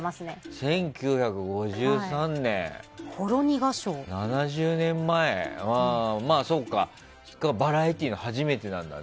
１９５３年、７０年前がバラエティーの初めてなんだね。